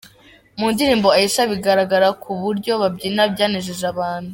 Mu ndirimbo ’Aisha’ biragaragara ko uburyo babyina byanejeje abantu.